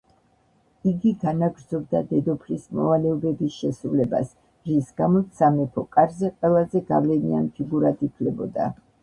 იგი განაგრძობდა დედოფლის მოვალეობების შესრულებას, რის გამოც სამეფო კარზე ყველაზე გავლენიან ფიგურად ითვლებოდა.